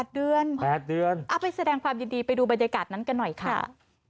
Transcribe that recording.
๘เดือน๘เดือนเอาไปแสดงความยินดีไปดูบรรยากาศนั้นกันหน่อยค่ะ